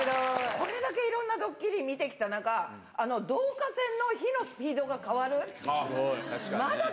これだけいろんなドッキリ見てきた中、導火線の火のスピードが変わる？